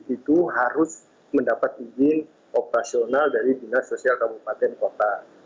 itu harus mendapat izin operasional dari dinas sosial kabupaten kota